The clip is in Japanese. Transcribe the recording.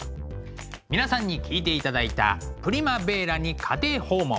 皆さんに聴いていただいた「プリマヴェーラに家庭訪問」。